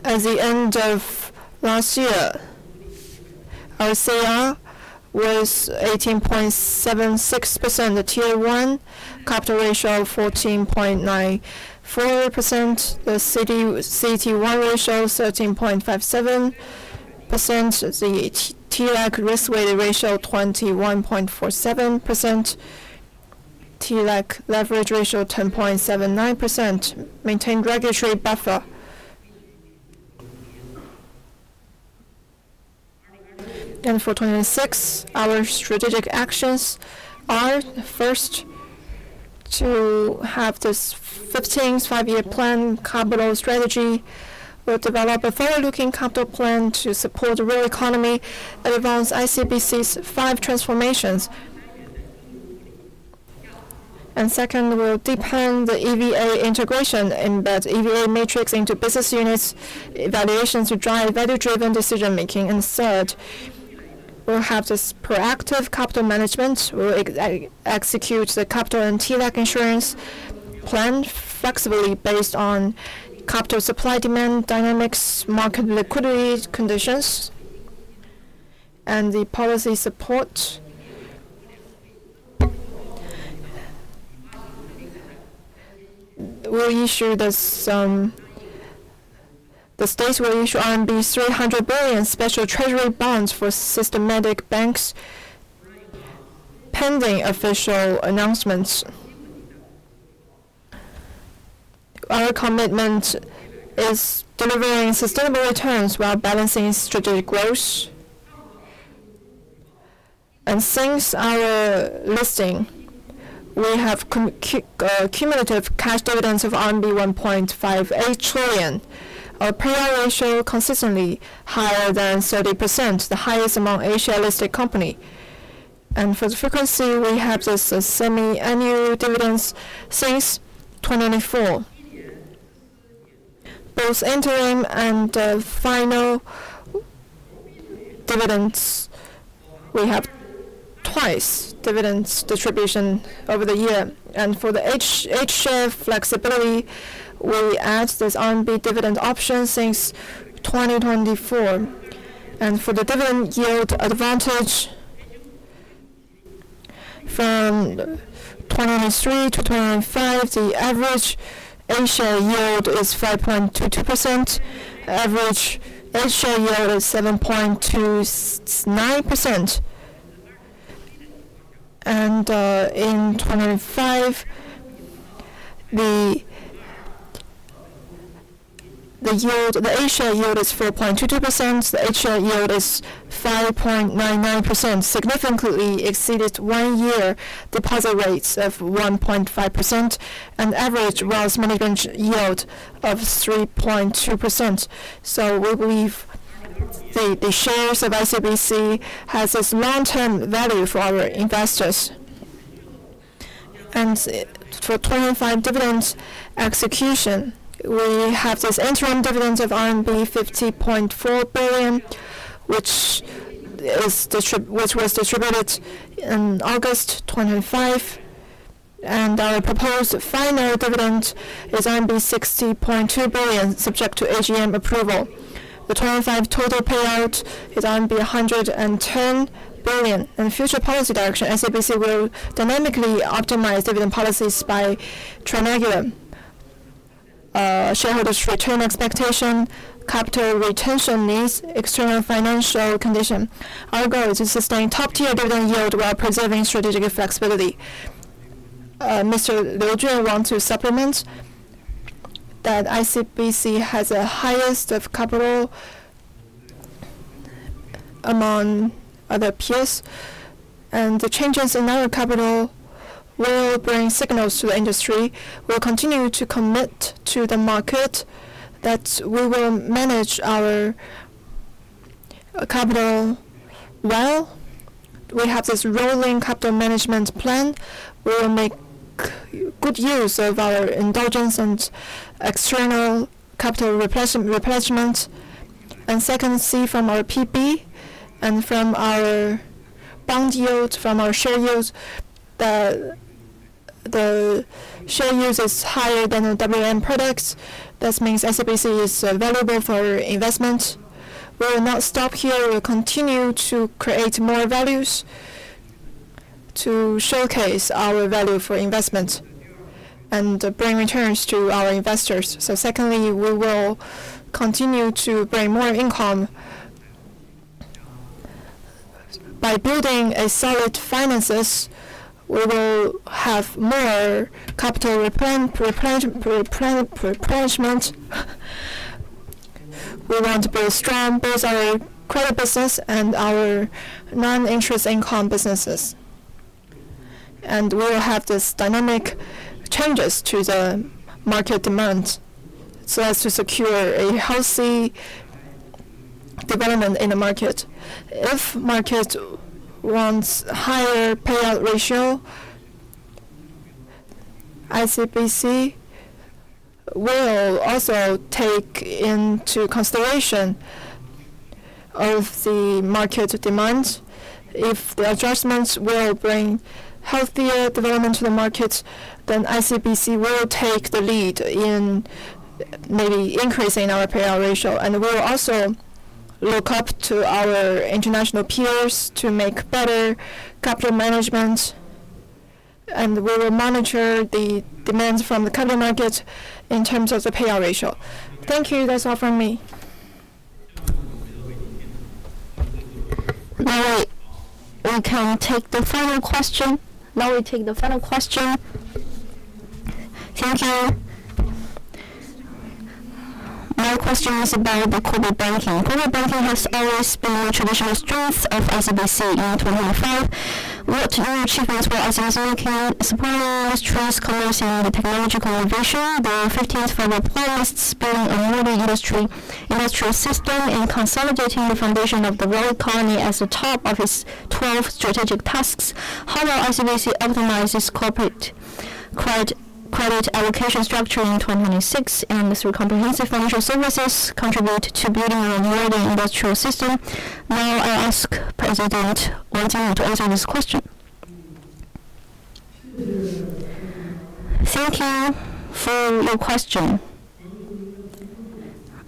At the end of last year, our CR was 18.76%, the Tier 1 capital ratio 14.94%, the CET1 ratio 13.57%, the TLAC risk-weighted ratio 21.47%, TLAC leverage ratio 10.79%, maintain regulatory buffer. For 2026, our strategic actions are first to have this 15th Five-Year Plan capital strategy. We'll develop a forward-looking capital plan to support real economy that advances ICBC's five transformations. Second, we'll deepen the EVA integration, embed EVA metrics into business units' evaluations to drive value-driven decision-making. Third, we'll have this proactive capital management. We'll execute the capital and TLAC insurance plan flexibly based on capital supply, demand dynamics, market liquidity conditions, and the policy support. We'll issue this. The states will issue RMB 300 billion special treasury bonds for systematic banks, pending official announcements. Our commitment is delivering sustainable returns while balancing strategic growth. Since our listing, we have cumulative cash dividends of 1.58 trillion. Our payout ratio consistently higher than 30%, the highest among Asia-listed company. For the frequency, we have this semi-annual dividends since 2024. Both interim and final dividends, we have twice dividends distribution over the year. For the H-share flexibility, we add this RMB dividend option since 2024. For the dividend yield advantage, from 2023 to 2025, the average H-share yield is 5.22%. Average A-share yield is 7.29%. In 2025, the yield, the H-share yield is 4.22%. The A-share yield is 5.99%, significantly exceeded one-year deposit rates of 1.5% and average wealth management yield of 3.2%. We believe the shares of ICBC has this long-term value for our investors. As for 2025 dividends execution, we have this interim dividend of RMB 50.4 billion, which was distributed in August 2025. Our proposed final dividend is RMB 60.2 billion, subject to AGM approval. The 2025 total payout is RMB 110 billion. In future policy direction, ICBC will dynamically optimize dividend policies by triangulating shareholders' return expectation, capital retention needs, external financial condition. Our goal is to sustain top-tier dividend yield while preserving strategic flexibility. Mr. Liu Jun want to supplement that ICBC has the highest of capital among other peers, and the changes in our capital will bring signals to the industry. We'll continue to commit to the market that we will manage our capital well. We have this rolling capital management plan. We will make good use of our internal and external capital replenishment. Second, see from our PB and from our bond yield, from our share yields that The share use is higher than the WM products. This means ICBC is available for investment. We will not stop here. We will continue to create more values to showcase our value for investment and bring returns to our investors. Secondly, we will continue to bring more income. By building a solid finances, we will have more capital replenishment. We want to build strong, both our credit business and our non-interest income businesses. We will have this dynamic changes to the market demand, so as to secure a healthy development in the market. If market wants higher payout ratio, ICBC will also take into consideration of the market demands. If the adjustments will bring healthier development to the markets, then ICBC will take the lead in maybe increasing our payout ratio. We'll also look up to our international peers to make better capital management, and we will monitor the demands from the capital markets in terms of the payout ratio. Thank you. That's all from me. Now we can take the final question. Thank you. My question is about the corporate banking. Corporate banking has always been a traditional strength of ICBC in 2025. What new achievements will ICBC make in supporting industry, commerce, and the technological innovation? The 15th Five-Year Plan lists building a modern industry, industrial system, and consolidating the foundation of the world economy as the top of its 12 strategic tasks. How will ICBC optimize its corporate credit allocation structure in 2026, and through comprehensive financial services contribute to building a modern industrial system? Now I ask President Wang Jingwu to answer this question. Thank you for your question.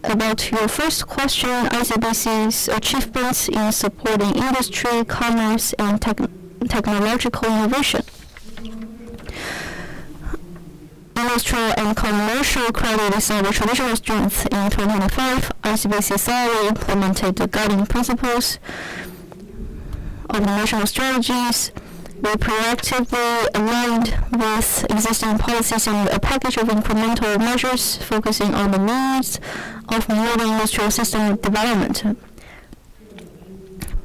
About your first question, ICBC's achievements in supporting industry, commerce, and technological innovation. Industrial and commercial credit is still the traditional strength. In 2025, ICBC thoroughly implemented the guiding principles of the national strategies. We proactively aligned with existing policies and a package of incremental measures focusing on the needs of modern industrial system development.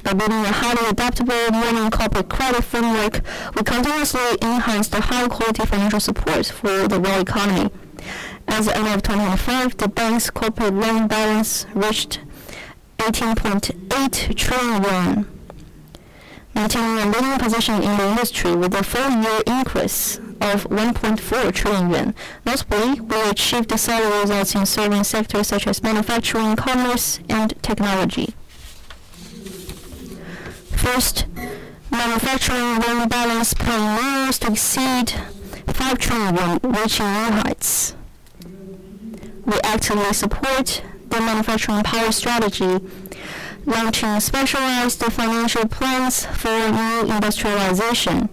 By building a highly adaptable modern corporate credit framework, we continuously enhanced the high-quality financial support for the real economy. As of 2025, the bank's corporate loan balance reached 18.8 trillion, maintaining a leading position in the industry with a full-year increase of 1.4 trillion yuan. Mostly, we achieved solid results in serving sectors such as manufacturing, commerce, and technology. First, manufacturing loan balance continues to exceed 5 trillion, reaching new heights. We actively support the manufacturing power strategy, launching specialized financial plans for new industrialization.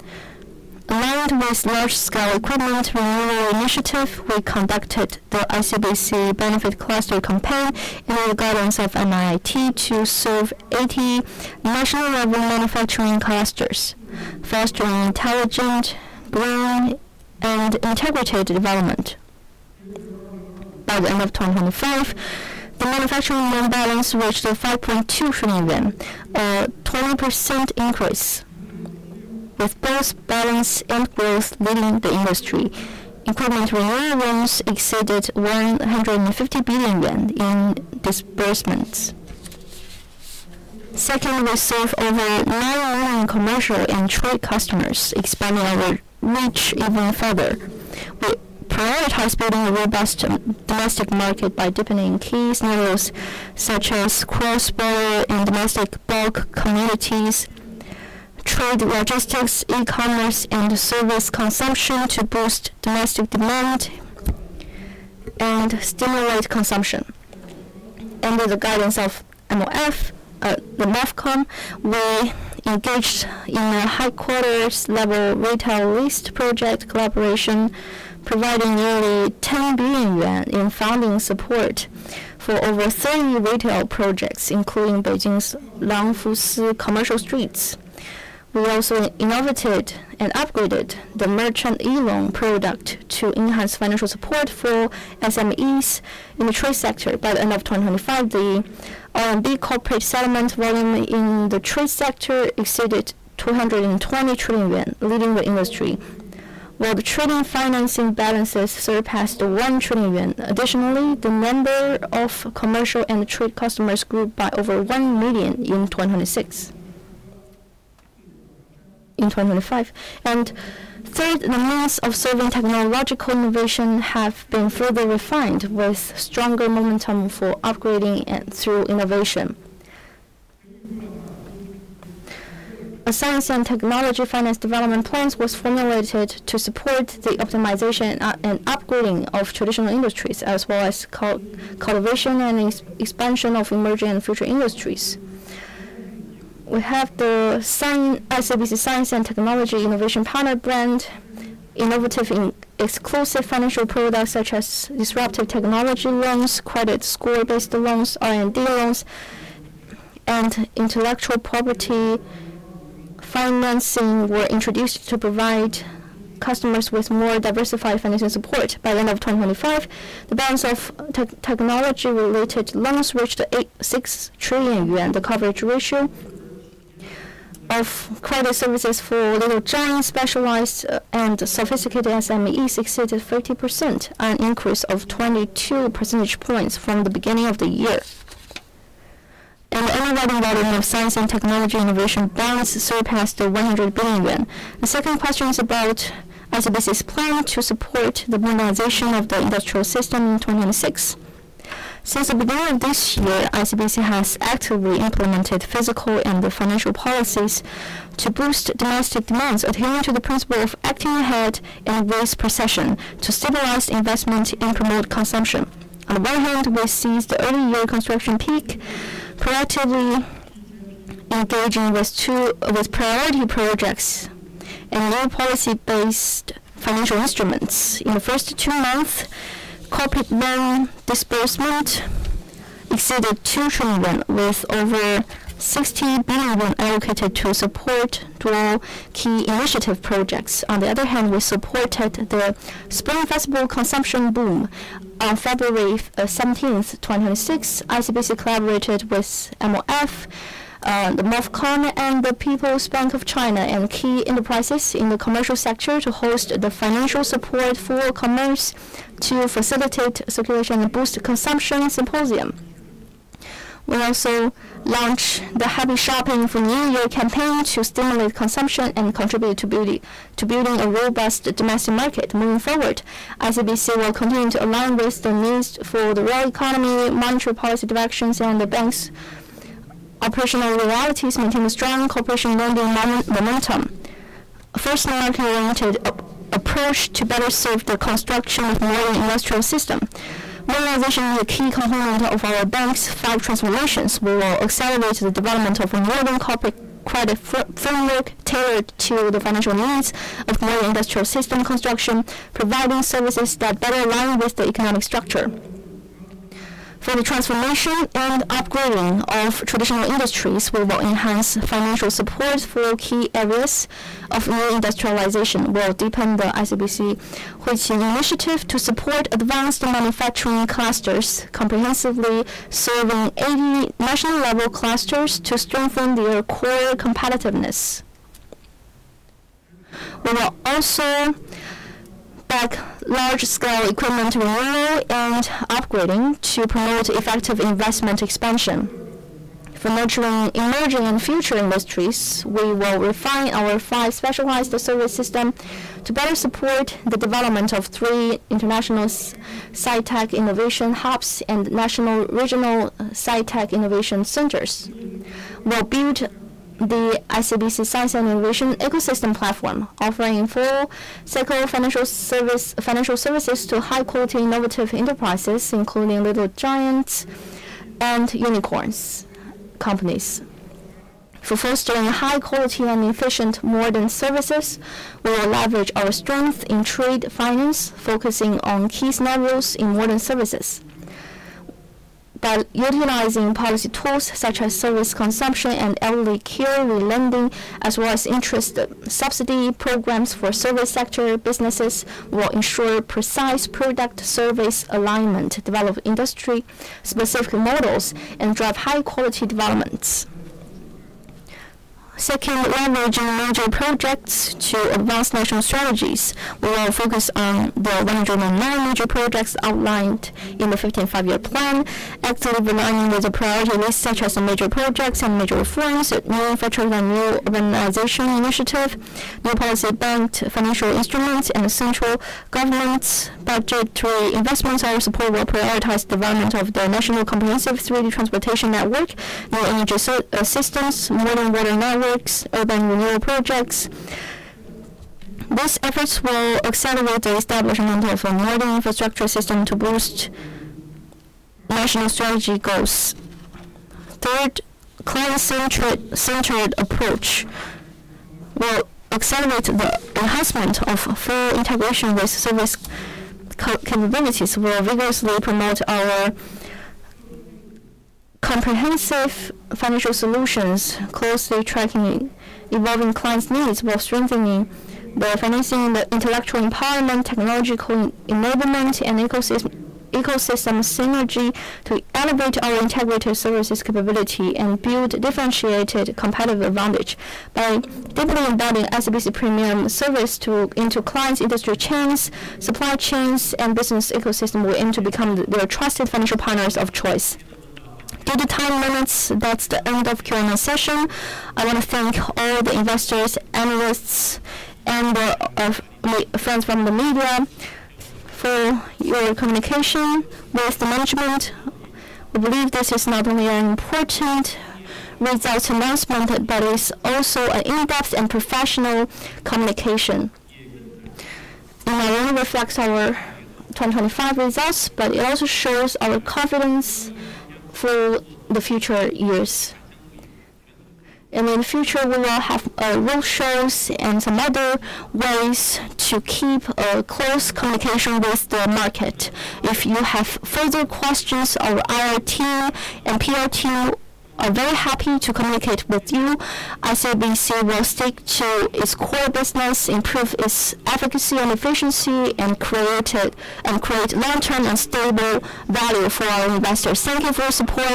Aligned with large-scale equipment renewal initiative, we conducted the ICBC Benefit Cluster campaign in the guidance of MIIT to serve 80 national-level manufacturing clusters, fostering intelligent, green, and integrated development. By the end of 2025, the manufacturing loan balance reached 5.2 trillion yuan, a 20% increase with both balance and growth leading the industry. Equipment renewal loans exceeded 150 billion yuan in disbursements. Second, we serve over nine million commercial and trade customers, expanding our reach even further. We prioritize building a robust domestic market by deepening key scenarios such as cross-border and domestic bulk commodities, trade logistics, e-commerce, and service consumption to boost domestic demand and stimulate consumption. Under the guidance of MOF, the MOFCOM, we engaged in a headquarters-level retail lease project collaboration, providing nearly 10 billion yuan in funding support for over 30 retail projects, including Beijing's Longfusi Commercial Street. We also innovated and upgraded the Merchant e-Loan product to enhance financial support for SMEs in the trade sector. By the end of 2025, the RMB corporate settlement volume in the trade sector exceeded 220 trillion yuan, leading the industry, while the trading financing balances surpassed 1 trillion yuan. Additionally, the number of commercial and trade customers grew by over one million in 2025. Third, the means of serving technological innovation have been further refined with stronger momentum for upgrading through innovation. A science and technology finance development plan was formulated to support the optimization and upgrading of traditional industries, as well as co-cultivation and expansion of emerging and future industries. We launched the ICBC Science and Technology Innovation Partner brand. Innovative and exclusive financial products such as Disruptive Technology Loans, credit score-based loans, R&D loans, and intellectual property financing were introduced to provide customers with more diversified financial support. By the end of 2025, the balance of technology related loans reached 8.6 trillion yuan. The coverage ratio of credit services for Little Giant specialized and sophisticated SMEs exceeded 30%, an increase of 22 percentage points from the beginning of the year. The aggregate value of science and technology innovation balance surpassed 100 billion yuan. The second question is about ICBC's plan to support the modernization of the industrial system in 2026. Since the beginning of this year, ICBC has actively implemented fiscal and the financial policies to boost domestic demands, adhering to the principle of acting ahead in a proactive fashion to stabilize investment and promote consumption. On the one hand, we seized the early year construction peak, proactively engaging with priority projects and loan policy-based financial instruments. In the first two months, corporate loan disbursement exceeded 2 trillion, with over CNY 60 billion allocated to support two key initiative projects. On the other hand, we supported the Spring Festival consumption boom. On February seventeenth, 2026, ICBC collaborated with MOF, the MOFCOM, and the People's Bank of China, and key enterprises in the commercial sector to host the financial support for commerce to facilitate circulation and boost consumption symposium. We also launched the Happy Shopping for New Year campaign to stimulate consumption and contribute to building a robust domestic market. Moving forward, ICBC will continue to align with the needs for the real economy, monetary policy directions, and the bank's operational realities, maintain a strong cooperation building momentum. First, market-related approach to better serve the construction of modern industrial system. Modernization is a key component of our bank's five transformations. We will accelerate the development of modern corporate credit framework tailored to the financial needs of modern industrial system construction, providing services that better align with the economic structure. For the transformation and upgrading of traditional industries, we will enhance financial support for key areas of new industrialization. We'll deepen the ICBC AI Plus initiative to support advanced manufacturing clusters, comprehensively serving 80 national-level clusters to strengthen their core competitiveness. We will also back large-scale equipment renewal and upgrading to promote effective investment expansion. For nurturing emerging and future industries, we will refine our five specialized service system to better support the development of three international sci-tech innovation hubs and national regional sci-tech innovation centers. We'll build the ICBC Science and Technology Innovation ecosystem platform, offering full-cycle financial services to high-quality innovative enterprises, including Little Giants and unicorns companies. For fostering high-quality and efficient modern services, we will leverage our strength in trade finance, focusing on key scenarios in modern services. By utilizing policy tools such as service consumption and elderly care with lending, as well as interest subsidy programs for service sector businesses, will ensure precise product service alignment, develop industry-specific models, and drive high-quality developments. Second, leveraging major projects to advance national strategies. We will focus on the 109 major projects outlined in the 15th Five-Year Plan, actively aligning with the priority list such as the major projects and major reforms, new manufacturing and new urbanization initiative, new policy bank financial instruments, and central government's budgetary investments. Our support will prioritize development of the national comprehensive 3D transportation network, new energy systems, modern water networks, urban renewal projects. These efforts will accelerate the establishment of a modern infrastructure system to boost national strategy goals. Third, client-centric approach will accelerate the enhancement of full integration with service capabilities. We'll vigorously promote our comprehensive financial solutions, closely tracking evolving clients' needs while strengthening the financing intellectual empowerment, technological enablement, and ecosystem synergy to elevate our integrated services capability and build differentiated competitive advantage. By deeply embedding ICBC premium service into clients, industry chains, supply chains, and business ecosystem, we aim to become their trusted financial partners of choice. Due to time limits, that's the end of Q&A session. I wanna thank all the investors, analysts and my friends from the media for your communication with the management. We believe this is not only an important results announcement, but it is also an in-depth and professional communication. It not only reflects our 2025 results, but it also shows our confidence for the future years. In the future, we will have roadshows and some other ways to keep a close communication with the market. If you have further questions, our IR and PR teams are very happy to communicate with you. ICBC will stick to its core business, improve its efficacy and efficiency, and create long-term and stable value for our investors. Thank you for your support.